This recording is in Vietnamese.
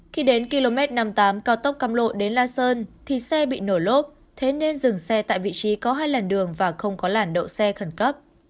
khi đến km năm mươi tám cao tốc cam lộ đến la sơn thì xe bị nổ lốp thế nên dừng xe tại vị trí có hai làn đường và không có làn đậu xe khẩn cấp